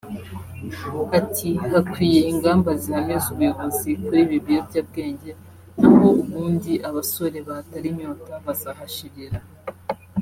Ati “Hakwiye ingamba zihamye z’ubuyobozi kuri ibi biyobyabwenge n’aho ubundi abasore ba Tarinyota bazahashirira